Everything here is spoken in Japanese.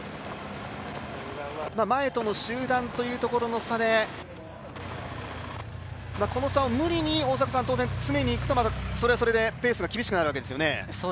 前との集団というところの差でこの差を無理に当然、詰めに行くとそれはそれでペースが厳しくなるわけですね。